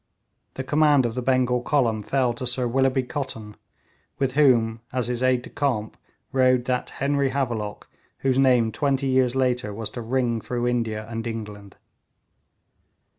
The command of the Bengal column fell to Sir Willoughby Cotton, with whom as his aide de camp rode that Henry Havelock whose name twenty years later was to ring through India and England.